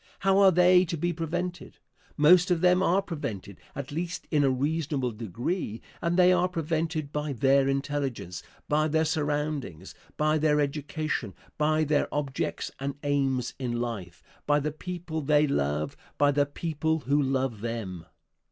How are they to be prevented? Most of them are prevented at least in a reasonable degree and they are prevented by their intelligence, by their surroundings, by their education, by their objects and aims in life, by the people they love, by the people who love them.